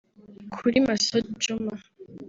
Kuri Masudi Djuma